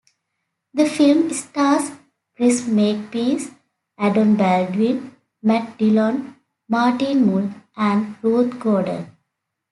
The film stars Chris Makepeace, Adam Baldwin, Matt Dillon, Martin Mull, and Ruth Gordon.